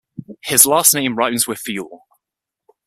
His last name rhymes with "fuel".